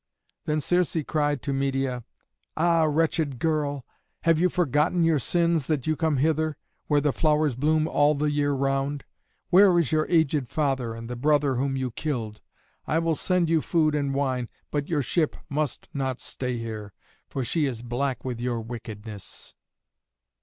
Then Circe cried to Medeia, "Ah, wretched girl, have you forgotten your sins that you come hither, where the flowers bloom all the year round? Where is your aged father, and the brother whom you killed? I will send you food and wine, but your ship must not stay here, for she is black with your wickedness."